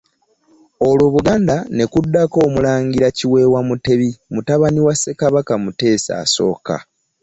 Olwo ku Buganda ne kuddako Omulangira Kiweewa Mutebi mutabani wa Ssekabaka Muteesa I.